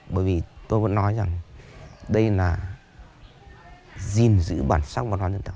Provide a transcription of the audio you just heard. bởi vì tôi vẫn nói rằng đây là gìn giữ bản sắc văn hóa dân tộc